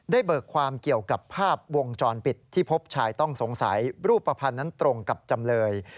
เบิกความเกี่ยวกับภาพวงจรปิดที่พบชายต้องสงสัยรูปภัณฑ์นั้นตรงกับจำเลย